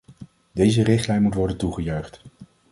Deze richtlijn moet worden toegejuicht.